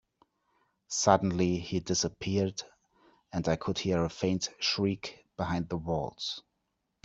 Suddenly, he disappeared, and I could hear a faint shriek behind the walls.